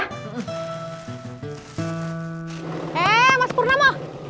hei mas purnama